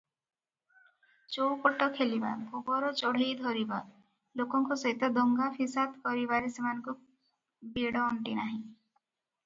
ଚଉପଟ ଖେଳିବା, ଗୋବର ଚଢ଼େଇଧରିବା ଲୋକଙ୍କ ସହିତ ଦଙ୍ଗା ଫିସାଦ କରିବାରେ ସେମାନଙ୍କୁ ବେଳ ଅଣ୍ଟେ ନାହିଁ ।